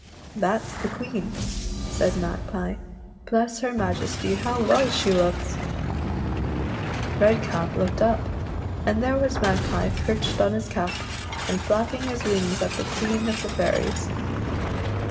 "That's the Queen," said Magpie. "Bless her Majesty, how well she looks 1 " Redcap looked up, and there was Magpie perched on his cap, and flapping his wings at the Queen of the Fairies.